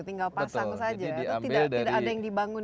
tinggal pasang saja atau tidak ada yang dibangun